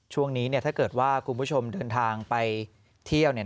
ช่วงนี้ถ้าเกิดว่าคุณผู้ชมเดินทางไปเที่ยว